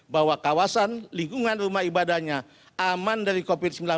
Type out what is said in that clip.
bahwa kawasan lingkungan rumah ibadahnya aman dari covid sembilan belas